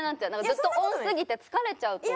ずっとオンすぎて疲れちゃうと思う。